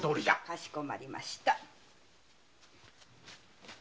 かしこまりました。